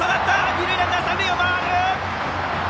二塁ランナーは三塁を回る！